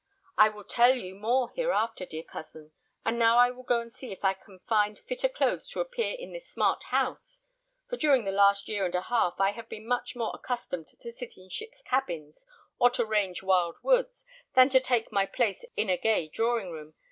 I will tell you more hereafter, dear cousin; and now I will go and see if I can find fitter clothes to appear in this smart house; for during the last year and a half I have been much more accustomed to sit in ships' cabins, or to range wild woods, than to take my place in a gay drawing room.